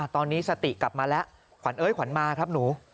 ตอนนี้สติกลับมาแล้วขวัญเอ้ยขวัญมาครับหนู